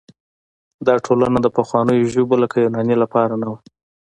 دا ټولنه د پخوانیو ژبو لکه یوناني لپاره نه وه.